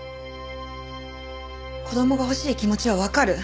子供が欲しい気持ちはわかる。